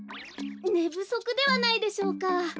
ねぶそくではないでしょうか？